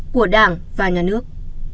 của đảng và nhà nước